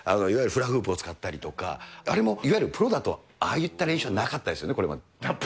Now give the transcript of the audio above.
いわゆるフラフープを使ったりとか、あれも、いわゆるプロだとああいった練習はなかったですよね、これまで。